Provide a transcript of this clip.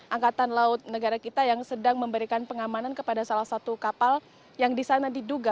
angkatan laut negara kita yang sedang memberikan pengamanan kepada salah satu kapal yang di sana diduga